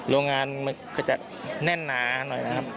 โรงงานมันก็จะแน่นหนาหน่อยนะครับ